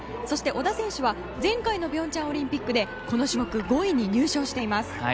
そして小田選手は前回の平昌オリンピックでこの種目５位に入賞しています。